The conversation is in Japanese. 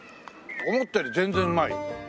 思ったより全然うまいよ。